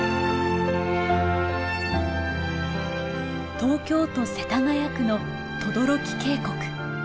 東京都世田谷区の等々力渓谷。